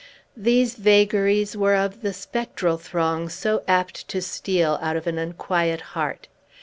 These vagaries were of the spectral throng so apt to steal out of an unquiet heart.